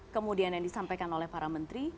kemudian yang disampaikan oleh para menteri